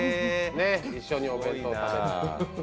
一緒にお弁当食べたり。